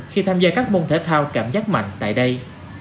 khi tham gia các môn thể thao cảm giác mạnh tại đây